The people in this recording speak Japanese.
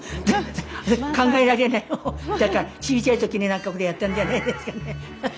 だからちいちゃい時に何かこれやったんじゃねえですかね。